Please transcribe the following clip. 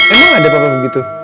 emang ada papa begitu